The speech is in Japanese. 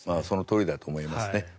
そのとおりだと思いますね。